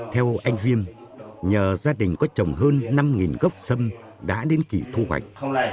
theo anh viêm nhờ gia đình có trồng hơn năm gốc sâm đã đến kỷ thu hoạch